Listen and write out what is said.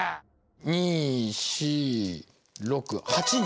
２４６８人。